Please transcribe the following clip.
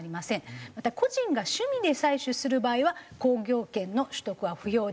また個人が趣味で採取する場合は鉱業権の取得は不要です。